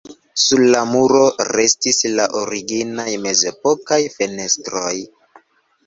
Sur la muro restis la originaj mezepokaj fenestroj.